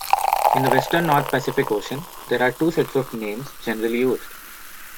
In the Western North Pacific ocean, there are two sets of names generally used.